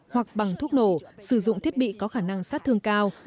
hoặc bằng thuốc nổ